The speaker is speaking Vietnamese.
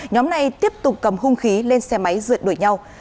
nhóm này tiếp tục cầm hung khí lên xe máy rượt đuổi nhau